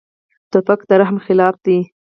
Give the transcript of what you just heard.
توپک د رحم خلاف دی.